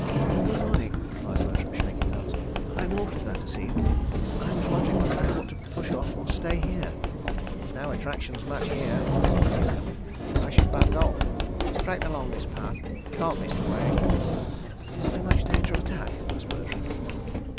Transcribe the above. "Good morning," replied Bertram, shaking hands. "I'm awfully glad to see you. I was wondering whether I ought to push off or stay here. ..." "No attractions much here," said the new comer. "I should bung off. ... Straight along this path. Can't miss the way." "Is there much danger of attack?" asked Bertram.